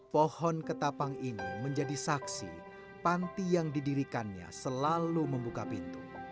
pohon ketapang ini menjadi saksi panti yang didirikannya selalu membuka pintu